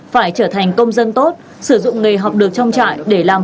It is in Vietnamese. phải trở thành công dân tốt sử dụng nghề học được trong trại để làm